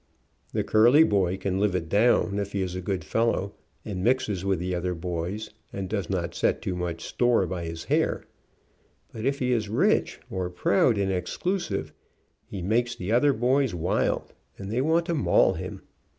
The curly boy can live it down, if he is a good fellow, and mixes with the other boys, and does not set too much store by his hair, but if he is rich, or proud, and exclusive, he makes the other Little tin god on wheels. boys wild, and they want to maul him.